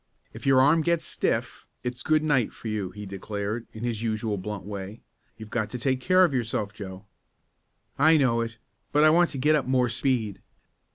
"If your arm gets stiff it's good night for you," he declared, in his usual blunt way. "You've got to take care of yourself, Joe." "I know it, but I want to get up more speed."